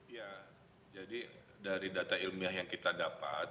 ya jadi dari data ilmiah yang kita dapat